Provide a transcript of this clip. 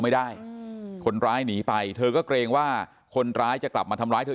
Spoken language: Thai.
ไม่ได้อืมคนร้ายหนีไปเธอก็เกรงว่าคนร้ายจะกลับมาทำร้ายเธอ